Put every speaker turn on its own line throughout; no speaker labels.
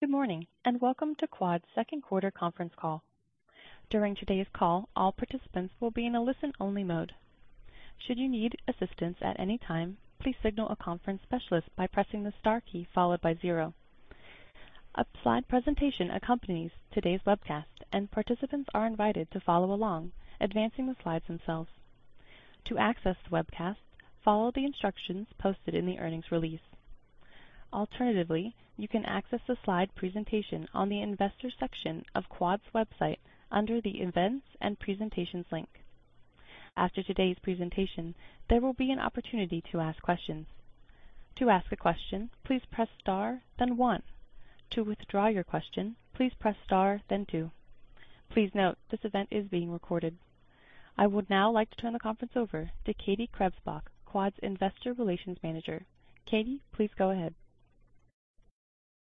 Good morning, welcome to Quad's second quarter conference call. During today's call, all participants will be in a listen-only mode. Should you need assistance at any time, please signal a conference specialist by pressing the Star key followed by zero. A slide presentation accompanies today's webcast, and participants are invited to follow along, advancing the slides themselves. To access the webcast, follow the instructions posted in the earnings release. Alternatively, you can access the slide presentation on the investor section of Quad's website under the Events and Presentations link. After today's presentation, there will be an opportunity to ask questions. To ask a question, please press Star, then one. To withdraw your question, please press Star then two. Please note, this event is being recorded. I would now like to turn the conference over to Katie Krebsbach, Quad's Investor Relations Manager. Katie, please go ahead.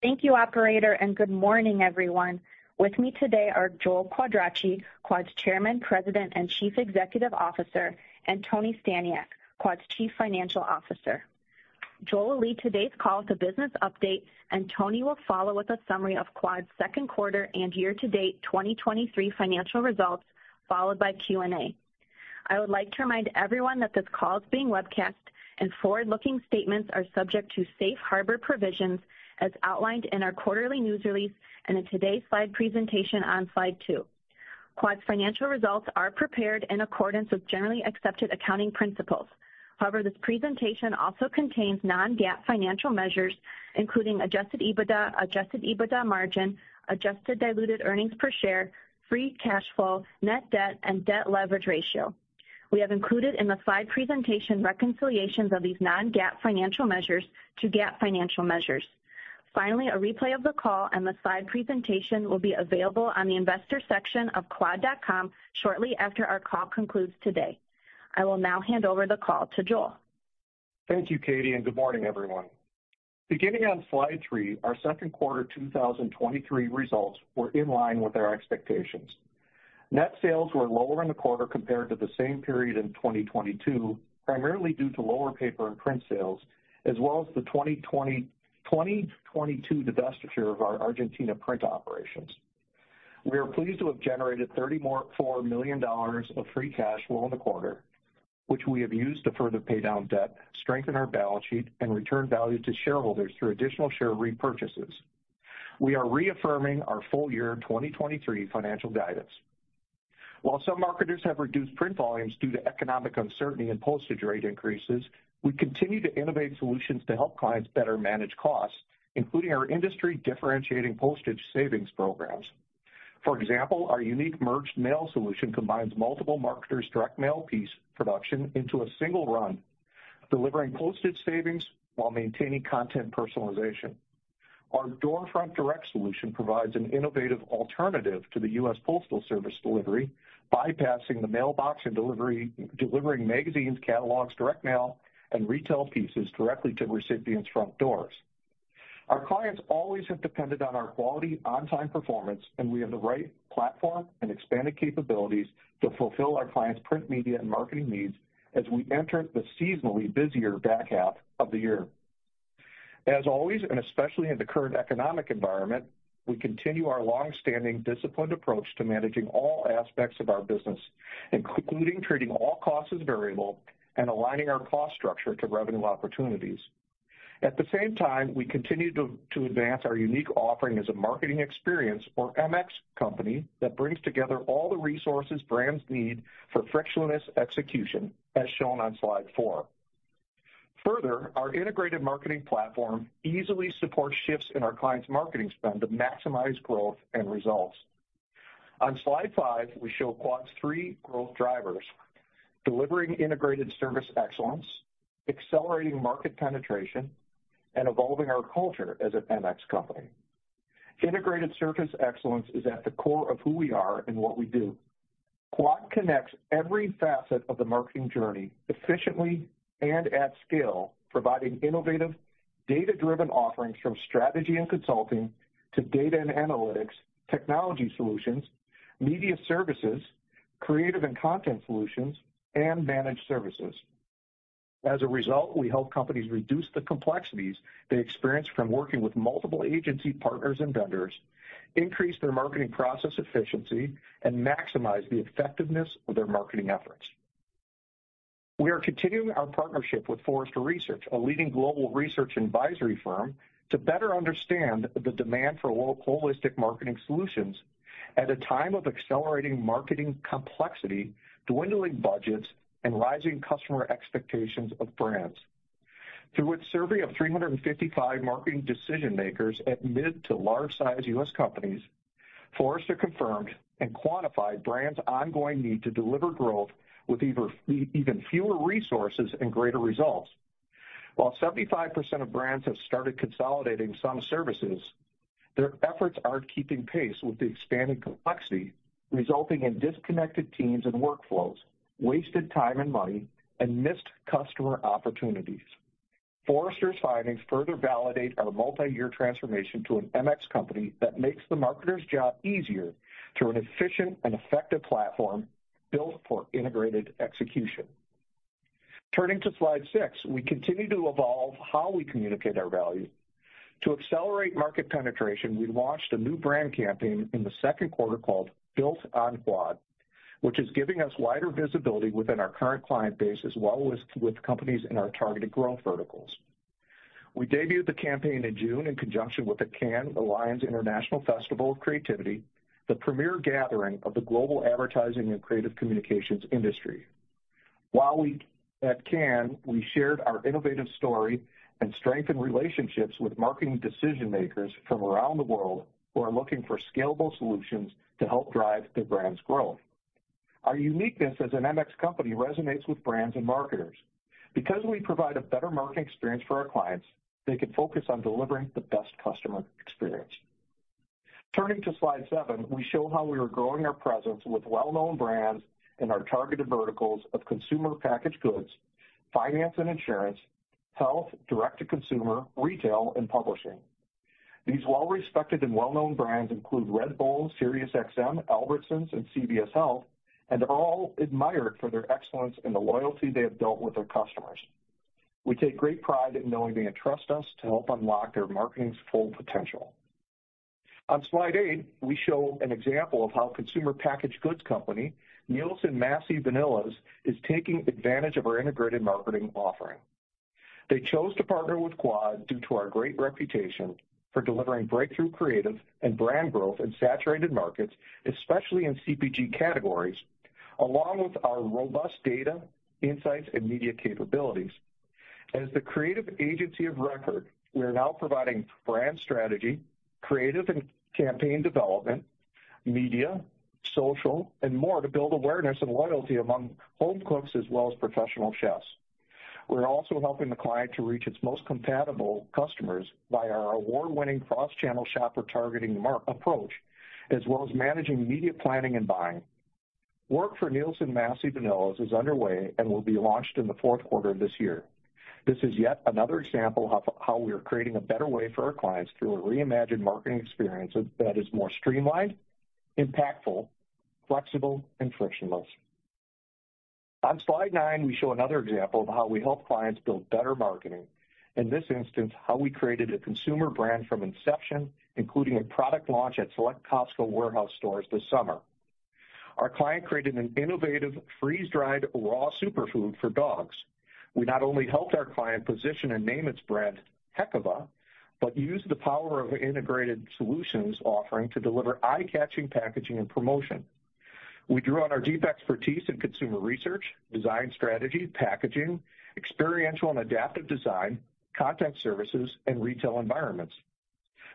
Thank you, operator, and good morning, everyone. With me today are Joel Quadracci, Quad's Chairman, President, and Chief Executive Officer, and Tony Staniak, Quad's Chief Financial Officer. Joel will lead today's call with a business update, and Tony will follow with a summary of Quad's second quarter and year-to-date 2023 financial results, followed by Q&A. I would like to remind everyone that this call is being webcasted, and forward-looking statements are subject to Safe Harbor provisions as outlined in our quarterly news release and in today's slide presentation on Slide 2. Quad's financial results are prepared in accordance with generally accepted accounting principles. However, this presentation also contains non-GAAP financial measures, including adjusted EBITDA, adjusted EBITDA margin, adjusted diluted earnings per share, free cash flow, net debt, and debt leverage ratio. We have included in the slide presentation reconciliations of these non-GAAP financial measures to GAAP financial measures. Finally, a replay of the call and the slide presentation will be available on the investor section of quad.com shortly after our call concludes today. I will now hand over the call to Joel.
Thank you, Katie. Good morning, everyone. Beginning on Slide 3, our second quarter 2023 results were in line with our expectations. Net sales were lower in the quarter compared to the same period in 2022, primarily due to lower paper and print sales, as well as the 2022 divestiture of our Argentina print operations. We are pleased to have generated $34 million of free cash flow in the quarter, which we have used to further pay down debt, strengthen our balance sheet, and return value to shareholders through additional share repurchases. We are reaffirming our full-year 2023 financial guidance. Some marketers have reduced print volumes due to economic uncertainty and postage rate increases, we continue to innovate solutions to help clients better manage costs, including our industry differentiating postage savings programs. For example, our unique MergedMail solution combines multiple marketers' direct mail piece production into a single run, delivering postage savings while maintaining content personalization. Our Doorfront Direct solution provides an innovative alternative to the United States Postal Service delivery, bypassing the mailbox and delivery, delivering magazines, catalogs, direct mail, and retail pieces directly to recipients' front doors. Our clients always have depended on our quality, on-time performance, and we have the right platform and expanded capabilities to fulfill our clients' print, media, and marketing needs as we enter the seasonally busier back half of the year. As always, and especially in the current economic environment, we continue our long-standing, disciplined approach to managing all aspects of our business, including treating all costs as variable and aligning our cost structure to revenue opportunities. At the same time, we continue to advance our unique offering as a marketing experience or MX company that brings together all the resources brands need for frictionless execution, as shown on slide four. Further, our Integrated Marketing platform easily supports shifts in our clients' marketing spend to maximize growth and results. On Slide 5, we show Quad's three growth drivers: delivering integrated service excellence, accelerating market penetration, and evolving our culture as an MX company. Integrated service excellence is at the core of who we are and what we do. Quad connects every facet of the marketing journey efficiently and at scale, providing innovative, data-driven offerings from strategy and consulting to data and analytics, technology solutions, media services, creative and content solutions, and managed services. As a result, we help companies reduce the complexities they experience from working with multiple agency partners and vendors, increase their marketing process efficiency, and maximize the effectiveness of their marketing efforts. We are continuing our partnership with Forrester Research, a leading global research advisory firm, to better understand the demand for holistic marketing solutions at a time of accelerating marketing complexity, dwindling budgets, and rising customer expectations of brands. Through its survey of 355 marketing decision-makers at mid to large-size U.S. companies, Forrester confirmed and quantified brands' ongoing need to deliver growth with even, even fewer resources and greater results. While 75% of brands have started consolidating some services, their efforts aren't keeping pace with the expanding complexity, resulting in disconnected teams and workflows, wasted time and money, and missed customer opportunities. Forrester's findings further validate our multi-year transformation to an MX company that makes the marketer's job easier through an efficient and effective platform built for integrated execution. Turning to Slide six, we continue to evolve how we communicate our value. To accelerate market penetration, we launched a new brand campaign in the second quarter called Built on Quad, which is giving us wider visibility within our current client base, as well as with companies in our targeted growth verticals. We debuted the campaign in June in conjunction with the Cannes Lions International Festival of Creativity, the premier gathering of the global advertising and creative communications industry. While at Cannes, we shared our innovative story and strengthened relationships with marketing decision-makers from around the world who are looking for scalable solutions to help drive their brand's growth. Our uniqueness as an MX company resonates with brands and marketers. Because we provide a better marketing experience for our clients, they can focus on delivering the best customer experience. Turning to Slide 7, we show how we are growing our presence with well-known brands in our targeted verticals of consumer packaged goods, finance and insurance, health, direct-to-consumer, retail, and publishing. These well-respected and well-known brands include Red Bull, SiriusXM, Albertsons, and CVS Health, and are all admired for their excellence and the loyalty they have built with their customers. We take great pride in knowing they entrust us to help unlock their marketing's full potential. On Slide 8, we show an example of how consumer packaged goods company, Nielsen-Massey Vanillas, is taking advantage of our integrated marketing offering. They chose to partner with Quad due to our great reputation for delivering breakthrough creative and brand growth in saturated markets, especially in CPG categories, along with our robust data, insights, and media capabilities. As the creative agency of record, we are now providing brand strategy, creative and campaign development, media, social, and more to build awareness and loyalty among home cooks as well as professional chefs. We're also helping the client to reach its most compatible customers by our award-winning cross-channel shopper targeting approach, as well as managing media planning and buying. Work for Nielsen-Massey Vanillas is underway and will be launched in the fourth quarter of this year. This is yet another example of how we are creating a better way for our clients through a reimagined marketing experience that is more streamlined, impactful, flexible, and frictionless. On Slide 9, we show another example of how we help clients build better marketing. In this instance, how we created a consumer brand from inception, including a product launch at select Costco Wholesale stores this summer. Our client created an innovative, freeze-dried, raw superfood for dogs. We not only helped our client position and name its brand, Hekava, but used the power of our Integrated Solutions offering to deliver eye-catching packaging and promotion. We drew on our deep expertise in consumer research, design strategy, packaging, experiential and adaptive design, content services, and retail environments.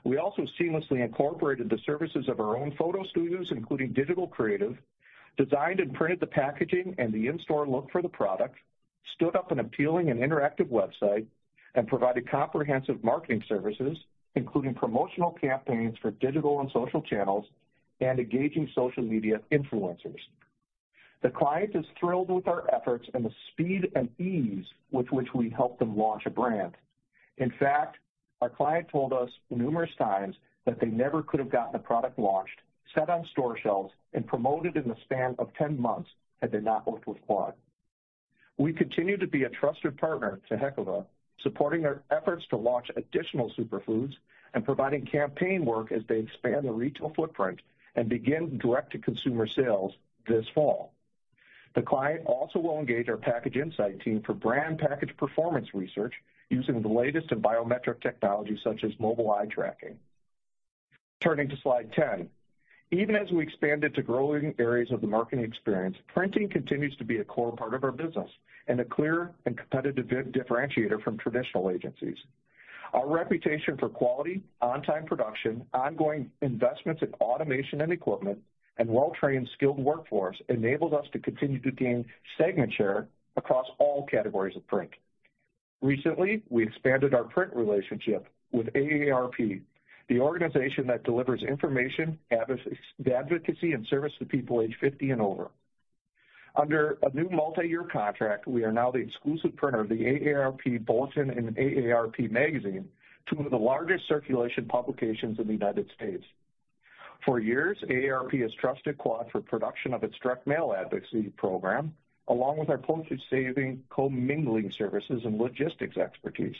We also seamlessly incorporated the services of our own photo studios, including digital creative, designed and printed the packaging and the in-store look for the product, stood up an appealing and interactive website, and provided comprehensive marketing services, including promotional campaigns for digital and social channels and engaging social media influencers. The client is thrilled with our efforts and the speed and ease with which we helped them launch a brand. In fact, our client told us numerous times that they never could have gotten a product launched, set on store shelves, and promoted in the span of 10 months had they not worked with Quad. We continue to be a trusted partner to Hekava, supporting our efforts to launch additional superfoods and providing campaign work as they expand their retail footprint and begin direct-to-consumer sales this fall. The client also will engage our Package InSight team for brand package performance research using the latest in biometric technology, such as mobile eye tracking. Turning to Slide 10. Even as we expanded to growing areas of the marketing experience, printing continues to be a core part of our business and a clear and competitive differentiator from traditional agencies. Our reputation for quality, on-time production, ongoing investments in automation and equipment, and well-trained, skilled workforce enables us to continue to gain segment share across all categories of print. Recently, we expanded our print relationship with AARP, the organization that delivers information, advocacy, and service to people aged 50 and over. Under a new multiyear contract, we are now the exclusive printer of the AARP Bulletin and AARP The Magazine, two of the largest circulation publications in the United States. For years, AARP has trusted Quad for production of its direct mail advocacy program, along with our postage-saving commingling services and logistics expertise.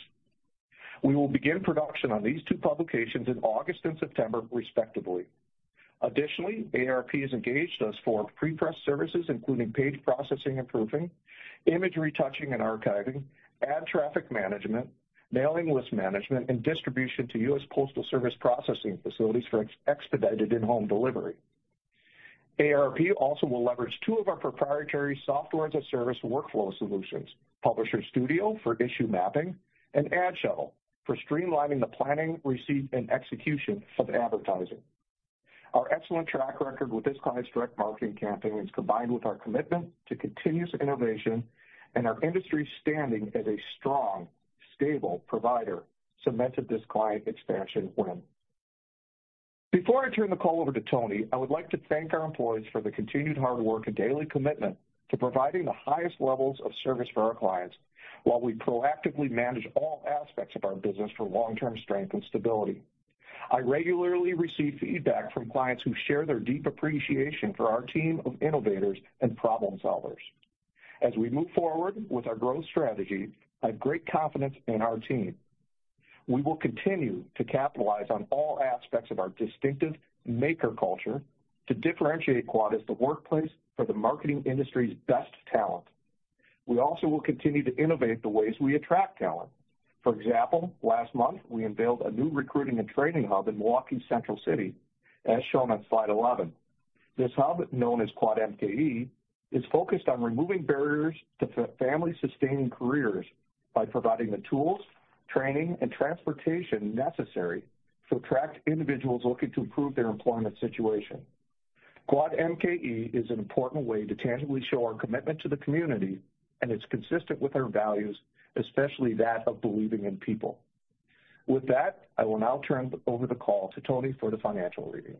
We will begin production on these two publications in August and September, respectively. Additionally, AARP has engaged us for pre-press services, including page processing and proofing, image retouching and archiving, ad traffic management, mailing list management, and distribution to United States Postal Service processing facilities for expedited in-home delivery. AARP also will leverage two of our proprietary software-as-a-service workflow solutions, Publisher's Studio for issue mapping and AdShuttle for streamlining the planning, receipt, and execution of advertising. Our excellent track record with this client's direct marketing campaign is combined with our commitment to continuous innovation and our industry standing as a strong, stable provider, cemented this client expansion win. Before I turn the call over to Tony, I would like to thank our employees for the continued hard work and daily commitment to providing the highest levels of service for our clients, while we proactively manage all aspects of our business for long-term strength and stability. I regularly receive feedback from clients who share their deep appreciation for our team of innovators and problem solvers. As we move forward with our growth strategy, I have great confidence in our team. We will continue to capitalize on all aspects of our distinctive maker culture to differentiate Quad as the workplace for the marketing industry's best talent. We also will continue to innovate the ways we attract talent. For example, last month, we unveiled a new recruiting and training hub in Milwaukee's Central City, as shown on Slide 11. This hub, known as Quad MKE, is focused on removing barriers to family-sustaining careers by providing the tools, training, and transportation necessary to attract individuals looking to improve their employment situation. Quad MKE is an important way to tangibly show our commitment to the community, and it's consistent with our values, especially that of believing in people. With that, I will now turn over the call to Tony for the financial review.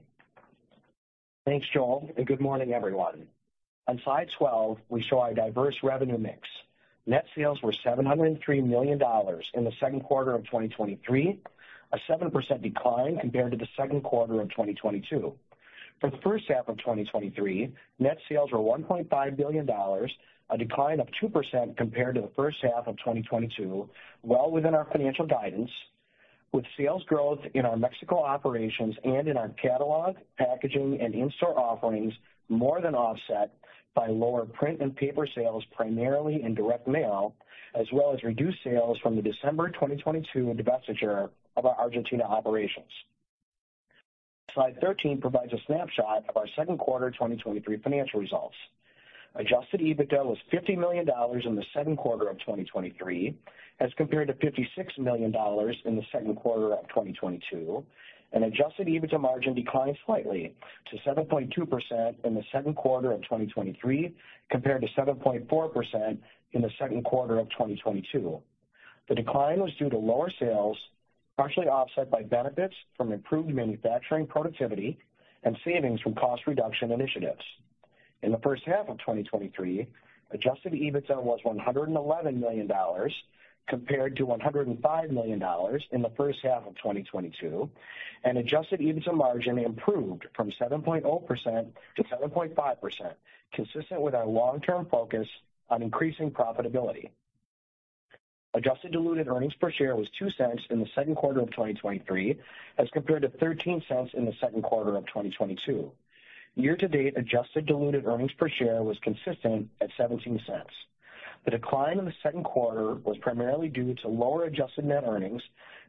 Thanks, Joel, and good morning, everyone. On Slide 12, we show our diverse revenue mix. Net sales were $703 million in the second quarter of 2023, a 7% decline compared to the second quarter of 2022. For the first half of 2023, net sales were $1.5 billion, a decline of 2% compared to the first half of 2022, well within our financial guidance, with sales growth in our Mexico operations and in our catalog, packaging, and in-store offerings more than offset by lower print and paper sales, primarily in direct mail, as well as reduced sales from the December 2022 divestiture of our Argentina operations. Slide 13 provides a snapshot of our second quarter 2023 financial results. Adjusted EBITDA was $50 million in the second quarter of 2023, as compared to $56 million in the second quarter of 2022, and adjusted EBITDA margin declined slightly to 7.2% in the second quarter of 2023, compared to 7.4% in the second quarter of 2022. The decline was due to lower sales, partially offset by benefits from improved manufacturing productivity and savings from cost reduction initiatives. In the first half of 2023, adjusted EBITDA was $111 million, compared to $105 million in the first half of 2022, and adjusted EBITDA margin improved from 7.0%-7.5%, consistent with our long-term focus on increasing profitability. Adjusted diluted earnings per share was $0.02 in the second quarter of 2023, as compared to $0.13 in the second quarter of 2022. Year-to-date adjusted diluted earnings per share was consistent at $0.17. The decline in the second quarter was primarily due to lower adjusted net earnings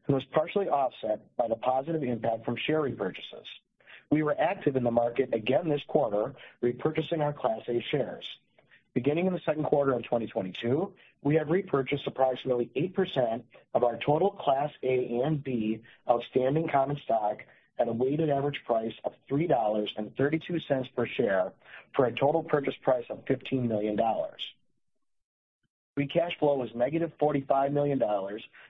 and was partially offset by the positive impact from share repurchases. We were active in the market again this quarter, repurchasing our Class A shares. Beginning in the second quarter of 2022, we have repurchased approximately 8% of our total Class A and B outstanding common stock at a weighted average price of $3.32 per share, for a total purchase price of $15 million. Free cash flow was -$45 million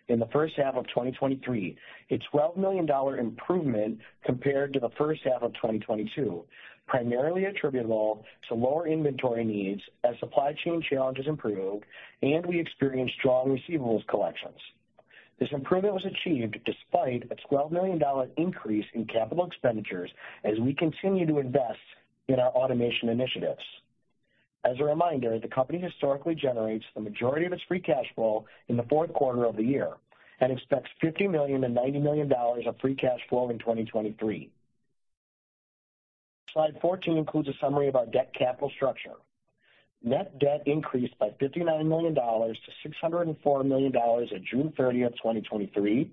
in the first half of 2023, a $12 million improvement compared to the first half of 2022, primarily attributable to lower inventory needs as supply chain challenges improved and we experienced strong receivables collections. This improvement was achieved despite a $12 million increase in capital expenditures as we continue to invest in our automation initiatives. As a reminder, the company historically generates the majority of its free cash flow in the fourth quarter of the year and expects $50 million-$90 million of free cash flow in 2023. Slide 14 includes a summary of our debt capital structure. Net debt increased by $59 million to $604 million on June 30th, 2023,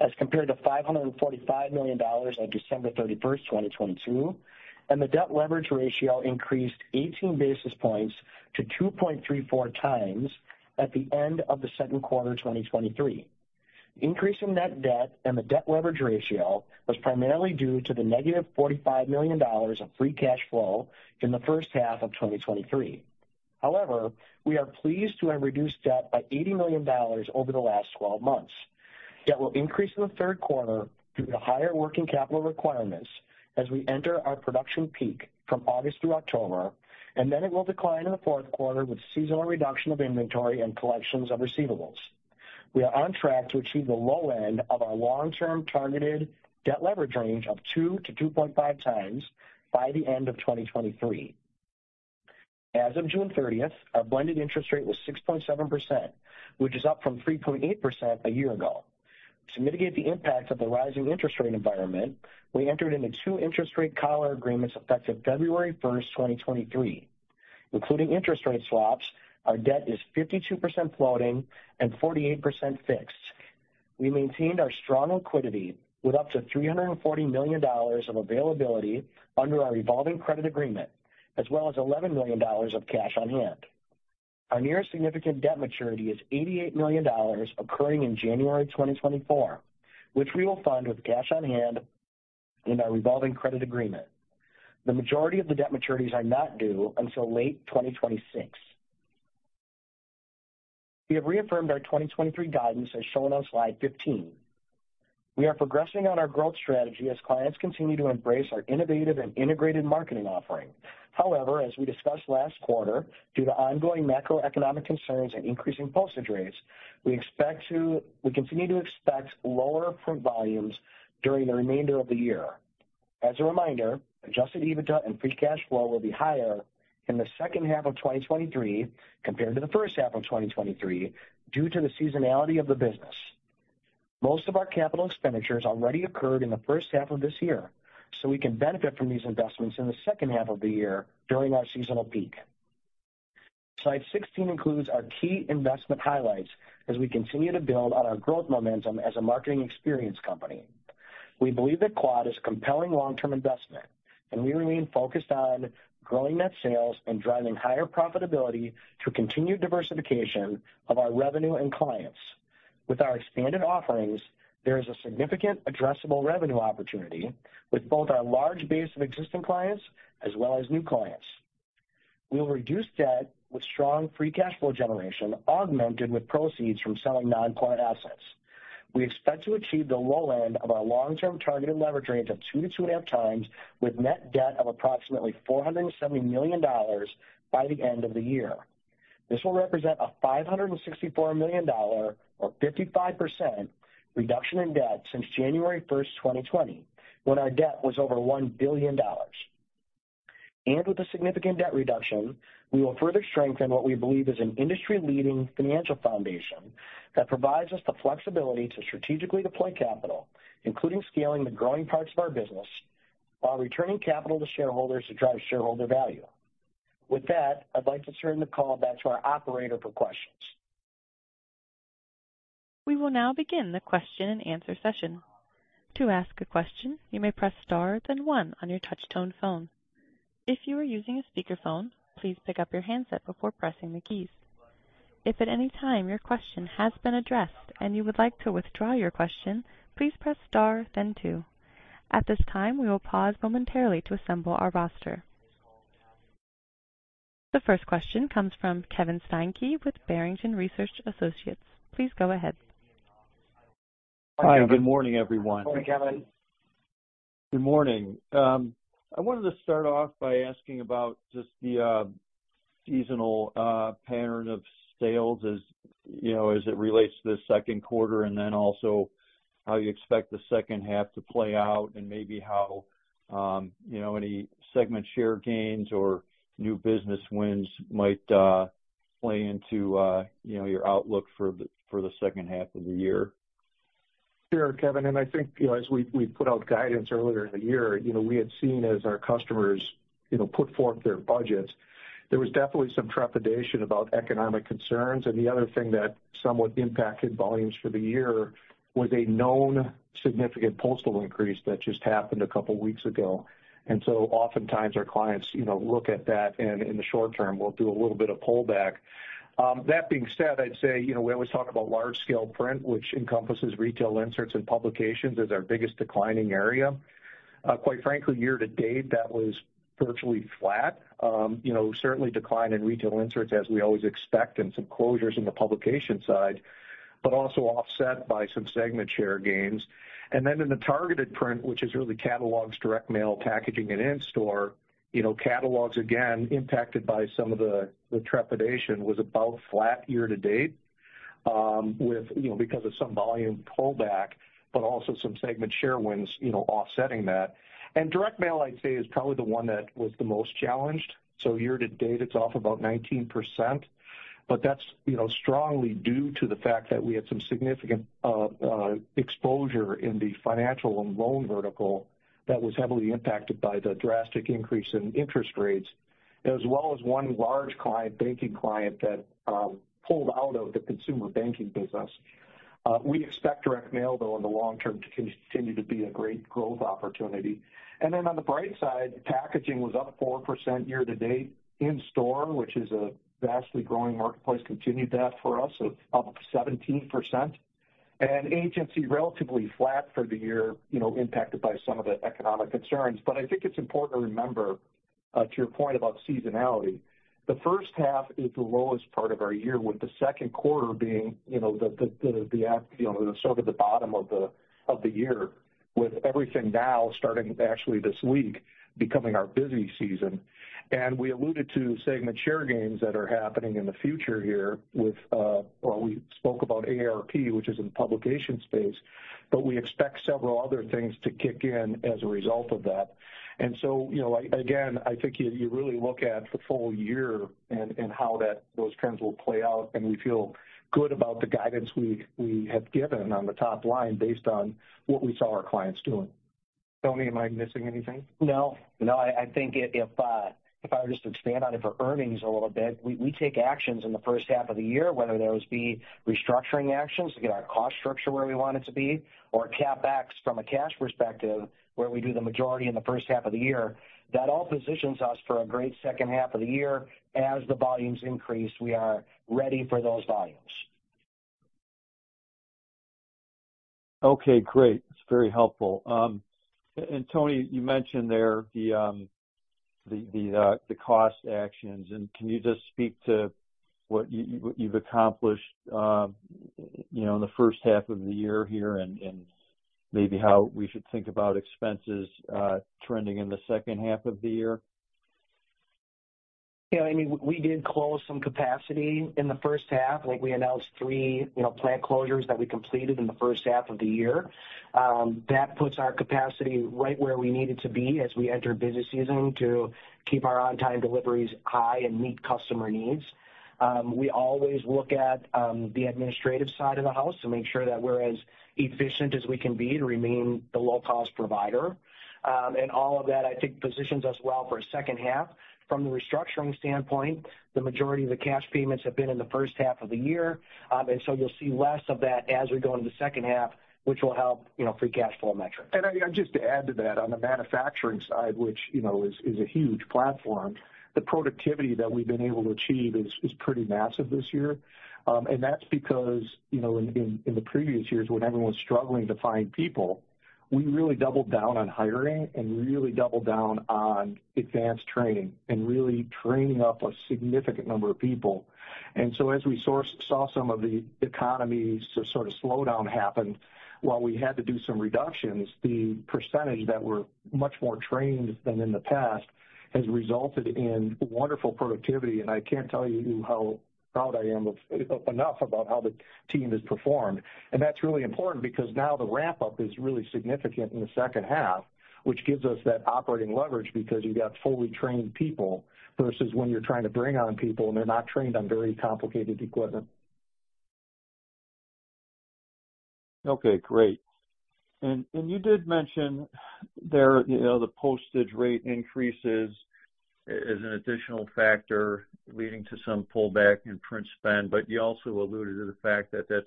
as compared to $545 million on December 31st, 2022. The debt leverage ratio increased 18 basis points to 2.34x at the end of the second quarter, 2023. The increase in net debt and the debt leverage ratio was primarily due to the -$45 million of free cash flow in the first half of 2023. However, we are pleased to have reduced debt by $80 million over the last 12 months. Debt will increase in the third quarter due to higher working capital requirements as we enter our production peak from August through October. It will decline in the fourth quarter with seasonal reduction of inventory and collections of receivables. We are on track to achieve the low end of our long-term targeted debt leverage range of 2x-2.5x by the end of 2023. As of June 30th, our blended interest rate was 6.7%, which is up from 3.8% a year ago. To mitigate the impact of the rising interest rate environment, we entered into two interest rate collar agreements effective February 1st, 2023. Including interest rate swaps, our debt is 52% floating and 48% fixed. We maintained our strong liquidity with up to $340 million of availability under our revolving credit agreement, as well as $11 million of cash on hand. Our nearest significant debt maturity is $88 million occurring in January 2024, which we will fund with cash on hand in our revolving credit agreement. The majority of the debt maturities are not due until late 2026. We have reaffirmed our 2023 guidance, as shown on Slide 15. We are progressing on our growth strategy as clients continue to embrace our innovative and integrated marketing offering. However, as we discussed last quarter, due to ongoing macroeconomic concerns and increasing postage rates, we continue to expect lower print volumes during the remainder of the year. As a reminder, adjusted EBITDA and free cash flow will be higher in the second half of 2023 compared to the first half of 2023 due to the seasonality of the business. Most of our capital expenditures already occurred in the first half of this year, so we can benefit from these investments in the second half of the year during our seasonal peak. Slide 16 includes our key investment highlights as we continue to build on our growth momentum as a marketing experience company. We believe that Quad is a compelling long-term investment. We remain focused on growing net sales and driving higher profitability through continued diversification of our revenue and clients. With our expanded offerings, there is a significant addressable revenue opportunity with both our large base of existing clients as well as new clients. We will reduce debt with strong free cash flow generation, augmented with proceeds from selling non-client assets. We expect to achieve the low end of our long-term targeted leverage range of 2x-2.5x, with net debt of approximately $470 million by the end of the year. This will represent a $564 million, or 55%, reduction in debt since January 1st, 2020, when our debt was over $1 billion. With a significant debt reduction, we will further strengthen what we believe is an industry-leading financial foundation that provides us the flexibility to strategically deploy capital, including scaling the growing parts of our business, while returning capital to shareholders to drive shareholder value. With that, I'd like to turn the call back to our operator for questions.
We will now begin the question-and-answer session. To ask a question, you may press Star, then one on your touch tone phone. If you are using a speakerphone, please pick up your handset before pressing the keys. If at any time your question has been addressed and you would like to withdraw your question, please press Star then two. At this time, we will pause momentarily to assemble our roster. The first question comes from Kevin Steinke with Barrington Research Associates. Please go ahead.
Hi, good morning, everyone.
Good morning, Kevin.
Good morning. I wanted to start off by asking about just the seasonal pattern of sales as, you know, as it relates to the second quarter, and then also how you expect the second half to play out and maybe how, you know, any segment share gains or new business wins might play into, you know, your outlook for the second half of the year?
Sure, Kevin. I think, you know, as we, we put out guidance earlier in the year, you know, we had seen as our customers, you know, put forth their budgets, there was definitely some trepidation about economic concerns. The other thing that somewhat impacted volumes for the year was a known significant postal increase that just happened a couple weeks ago. Oftentimes, our clients, you know, look at that, and in the short-term, we'll do a little bit of pullback. That being said, I'd say, you know, we always talk about large-scale print, which encompasses retail inserts and publications, as our biggest declining area. Quite frankly, year-to-date, that was virtually flat. You know, certainly decline in retail inserts, as we always expect, and some closures in the publication side, but also offset by some segment share gains. Then in the targeted print, which is really catalogs, direct mail, packaging, and in-store, you know, catalogs, again, impacted by some of the trepidation, was about flat year-to-date, with, you know, because of some volume pullback, but also some segment share wins, you know, offsetting that. Direct mail, I'd say, is probably the one that was the most challenged. Year-to-date, it's off about 19%, but that's, you know, strongly due to the fact that we had some significant exposure in the financial and loan vertical that was heavily impacted by the drastic increase in interest rates, as well as one large client, banking client, that pulled out of the consumer banking business. We expect direct mail, though, in the long-term, to continue to be a great growth opportunity. On the bright side, packaging was up 4% year-to-date. In-store, which is a vastly growing marketplace, continued that for us, so up 17%. Agency, relatively flat for the year, you know, impacted by some of the economic concerns. I think it's important to remember, to your point about seasonality, the first half is the lowest part of our year, with the second quarter being, you know, the sort of the bottom of the year, with everything now starting actually this week, becoming our busy season. We alluded to segment share gains that are happening in the future here with, we spoke about AARP, which is in the publication space, but we expect several other things to kick in as a result of that. So, you know, again, I think you, you really look at the full-year and, and how that those trends will play out, and we feel good about the guidance we, we have given on the top line based on what we saw our clients doing. Tony, am I missing anything?
No. No, I, I think if I were just to expand on it for earnings a little bit, we, we take actions in the first half of the year, whether those be restructuring actions to get our cost structure where we want it to be or CapEx from a cash perspective, where we do the majority in the first half of the year. That all positions us for a great second half of the year. As the volumes increase, we are ready for those volumes.
Okay, great. That's very helpful. And Tony, you mentioned there the cost actions. Can you just speak to what you've accomplished, you know, in the first half of the year here and maybe how we should think about expenses, trending in the second half of the year?
Yeah, I mean, we did close some capacity in the first half. I think we announced three, you know, plant closures that we completed in the first half of the year. That puts our capacity right where we need it to be as we enter busy season to keep our on-time deliveries high and meet customer needs. We always look at the administrative side of the house to make sure that we're as efficient as we can be to remain the low-cost provider. All of that, I think, positions us well for a second half. From the restructuring standpoint, the majority of the cash payments have been in the first half of the year. You'll see less of that as we go into the second half, which will help, you know, free cash flow metric.
Just to add to that, on the manufacturing side, which, you know, is, is a huge platform, the productivity that we've been able to achieve is, is pretty massive this year. That's because, you know, in, in the previous years, when everyone was struggling to find people, we really doubled down on hiring and really doubled down on advanced training and really training up a significant number of people. As we saw some of the economy sort of slowdown happen, while we had to do some reductions, the percentage that were much more trained than in the past has resulted in wonderful productivity, and I can't tell you how proud I am of, of enough about how the team has performed. That's really important because now the ramp-up is really significant in the second half, which gives us that operating leverage because you've got fully trained people versus when you're trying to bring on people, and they're not trained on very complicated equipment.
Okay, great. You did mention there, you know, the postage rate increases as an additional factor leading to some pullback in print spend, but you also alluded to the fact that that's,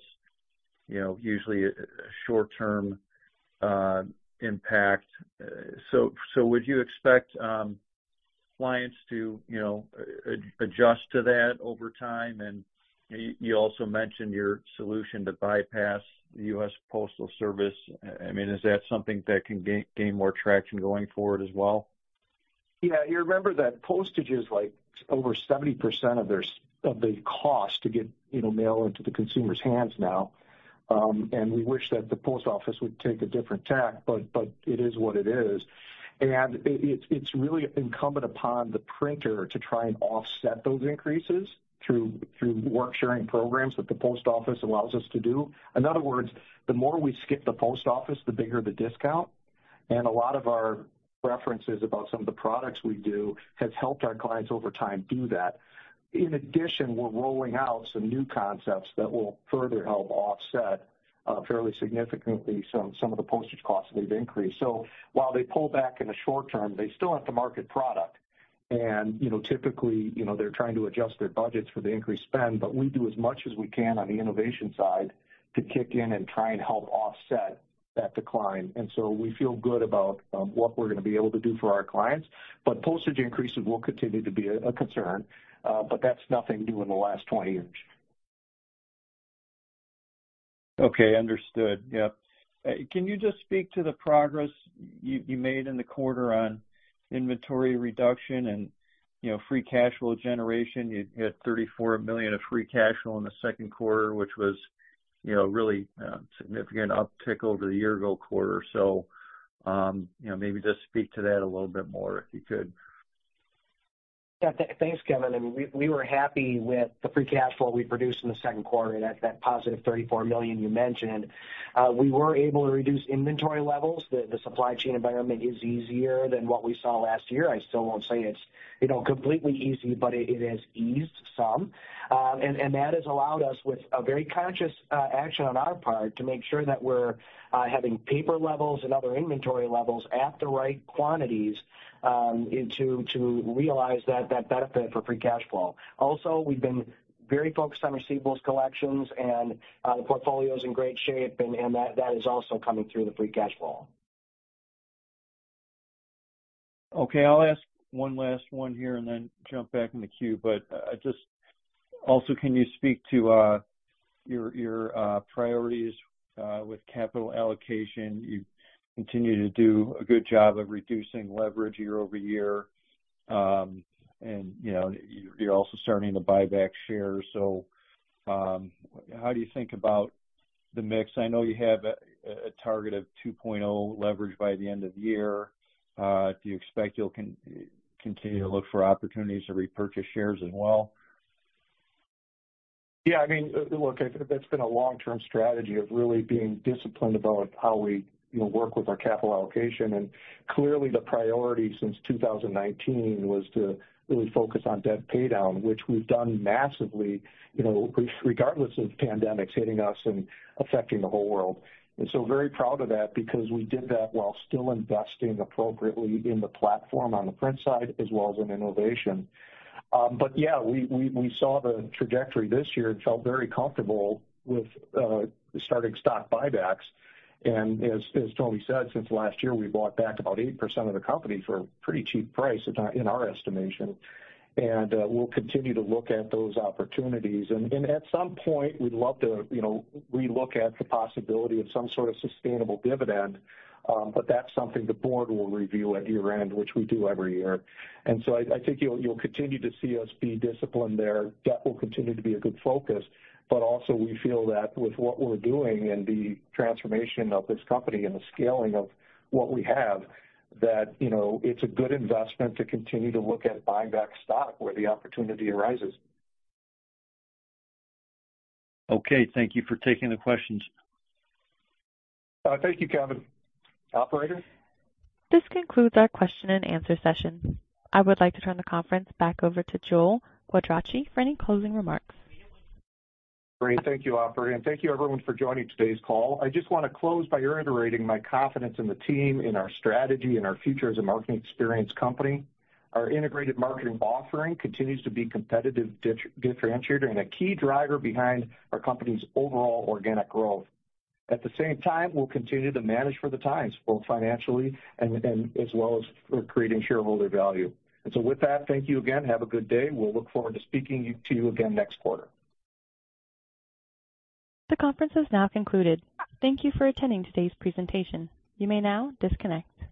you know, usually a, a short-term impact. Would you expect clients to, you know, adjust to that over time? You, you also mentioned your solution to bypass the U.S. Postal Service. I mean, is that something that can gain, gain more traction going forward as well?
Yeah, you remember that postage is, like, over 70% of their, of the cost to get, you know, mail into the consumer's hands now. We wish that the post office would take a different tack, but, but it is what it is. It, it's really incumbent upon the printer to try and offset those increases through, through work sharing programs that the post office allows us to do. In other words, the more we skip the post office, the bigger the discount. A lot of our references about some of the products we do has helped our clients over time do that. In addition, we're rolling out some new concepts that will further help offset, fairly significantly some, some of the postage costs that they've increased. While they pull back in the short-term, they still have to market product. You know, typically, you know, they're trying to adjust their budgets for the increased spend, but we do as much as we can on the innovation side to kick in and try and help offset that decline. We feel good about what we're going to be able to do for our clients. Postage increases will continue to be a, a concern, but that's nothing new in the last 20 years.
Okay, understood. Yep. Can you just speak to the progress you, you made in the quarter on inventory reduction and, you know, free cash flow generation? You had $34 million of free cash flow in the second quarter, which was, you know, really, significant uptick over the year-ago quarter. You know, maybe just speak to that a little bit more, if you could?
Yeah. Thanks, Kevin. I mean, we, we were happy with the free cash flow we produced in the second quarter, that, that positive $34 million you mentioned. We were able to reduce inventory levels. The, the supply chain environment is easier than what we saw last year. I still won't say it's, you know, completely easy, but it, it has eased some. And, and that has allowed us with a very conscious action on our part, to make sure that we're having paper levels and other inventory levels at the right quantities, and to, to realize that, that benefit for free cash flow. Also, we've been very focused on receivables collections and the portfolio is in great shape, and, and that, that is also coming through the free cash flow.
Okay, I'll ask one last one here and then jump back in the queue. Just also, can you speak to your, your priorities with capital allocation? You continue to do a good job of reducing leverage year-over-year. And, you know, you're also starting to buy back shares. How do you think about the mix? I know you have a target of 2.0 leverage by the end of the year. Do you expect you'll continue to look for opportunities to repurchase shares as well?
Yeah, I mean, look, I think that's been a long-term strategy of really being disciplined about how we, you know, work with our capital allocation. Clearly, the priority since 2019 was to really focus on debt paydown, which we've done massively, you know, regardless of pandemics hitting us and affecting the whole world. Very proud of that because we did that while still investing appropriately in the platform on the print side, as well as in innovation. But yeah, we, we, we saw the trajectory this year and felt very comfortable with starting stock buybacks. As, as Tony said, since last year, we bought back about 8% of the company for a pretty cheap price, in our estimation, and we'll continue to look at those opportunities. At some point, we'd love to, you know, relook at the possibility of some sort of sustainable dividend, but that's something the board will review at year-end, which we do every year. So I, I think you'll, you'll continue to see us be disciplined there. Debt will continue to be a good focus, but also we feel that with what we're doing and the transformation of this company and the scaling of what we have, that, you know, it's a good investment to continue to look at buying back stock where the opportunity arises.
Okay. Thank you for taking the questions.
Thank you, Kevin. Operator?
This concludes our question-and-answer session. I would like to turn the conference back over to Joel Quadracci for any closing remarks.
Great. Thank you, Operator, and thank you everyone for joining today's call. I just want to close by reiterating my confidence in the team, in our strategy, and our future as a marketing experience company. Our integrated marketing offering continues to be competitive, differentiated, and a key driver behind our company's overall organic growth. At the same time, we'll continue to manage for the times, both financially and as well as for creating shareholder value. So with that, thank you again. Have a good day. We'll look forward to speaking you, to you again next quarter.
The conference is now concluded. Thank you for attending today's presentation. You may now disconnect.